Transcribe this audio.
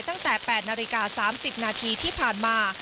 ตั้งแต่๘นาฬิกา๓๐นาทีที่ผ่านมา